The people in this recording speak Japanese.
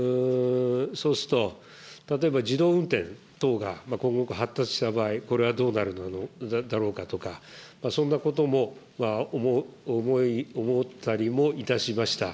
そうすると、例えば自動運転等が今後、発達した場合、これはどうなるのだろうかとか、そんなことも思ったりもいたしました。